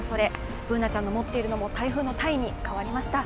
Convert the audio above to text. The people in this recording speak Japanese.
Ｂｏｏｎａちゃんの持っているのも台風の「台」に変わりました。